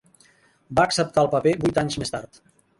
Va acceptar el paper vuit anys més tard.